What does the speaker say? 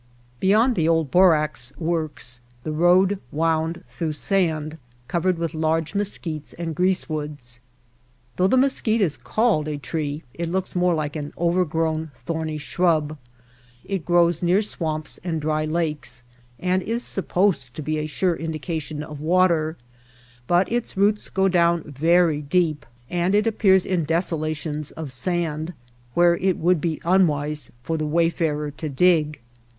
Beyond the old borax works the road wound through sand covered with large mesquites and greasewoods. Though the mesquite is called a tree it looks more like an overgrown, thorny shrub. It grows near swamps and dry lakes and is supposed to be a sure indication of water, but its roots go down very deep and it appears Strangest Farm in the World in desolations of sand where it would be unwise for the wayfarer to dig.